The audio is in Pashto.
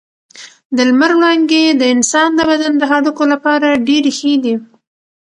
د لمر وړانګې د انسان د بدن د هډوکو لپاره ډېرې ښې دي.